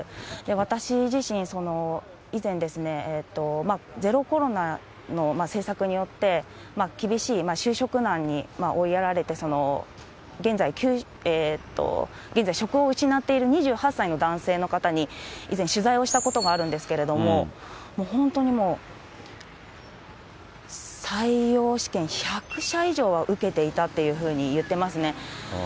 私自身、以前ですね、ゼロコロナの政策によって厳しい就職難に追いやられて、現在、職を失っている２８歳の男性の方に、以前取材をしたことがあるんですけれども、本当にもう採用試験１００社以上は受けていたっていうふうに言ってますね。